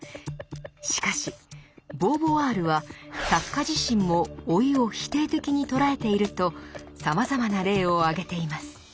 しかしボーヴォワールは作家自身も老いを否定的に捉えているとさまざまな例を挙げています。